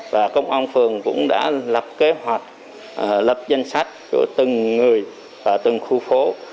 và công an phường cũng đã lập kế hoạch lập danh sách của từng người và từng khu phố